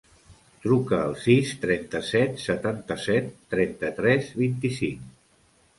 Truca al sis, trenta-set, setanta-set, trenta-tres, vint-i-cinc.